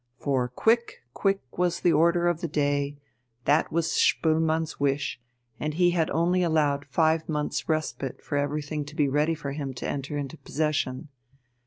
For quick, quick, was the order of the day, that was Spoelmann's wish, and he had only allowed five months' respite for everything to be ready for him to enter into possession.